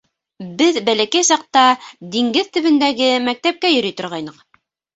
—Беҙ бәләкәй саҡта диңгеҙ төбөндәге мәктәпкә йөрөй торғайныҡ.